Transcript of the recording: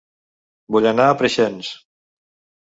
Vull anar a Preixens